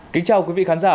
kính chào quý vị khán giả